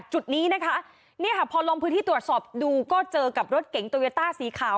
จุดนี้นะคะพอลองพื้นที่ตรวจสอบดูก็เจอกับรถเก๋งโตเวียต้าสีขาว